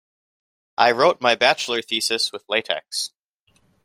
I wrote my bachelor thesis with latex.